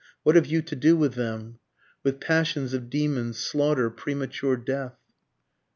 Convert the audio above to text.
what have you to do with them? With passions of demons, slaughter, premature death?